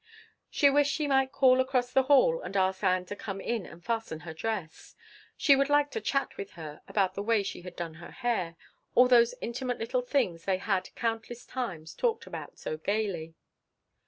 She wished she might call across the hall and ask Ann to come in and fasten her dress. She would like to chat with her about the way she had done her hair all those intimate little things they had countless times talked about so gayly.